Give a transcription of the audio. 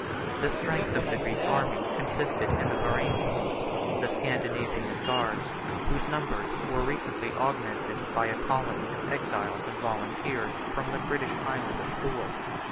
The strength of the Greek army consisted in the Varangians, the Scandinavian guards, whose numbers were recently augmented by a colony of exiles and volunteers from the British Island of Thule.